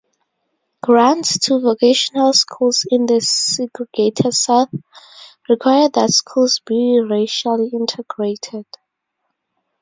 Grants to vocational schools in the segregated South required that schools be racially integrated.